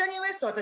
私